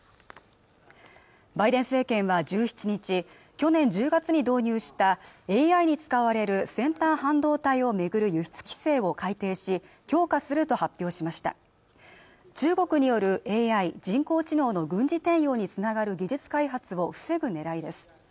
バイデン政権は１７日去年１０月に導入したＡＩに使われる先端半導体をめぐる輸出規制を改訂し強化すると発表しました中国によるＡＩ＝人工知能の軍事転用につながる技術開発を防ぐ狙いです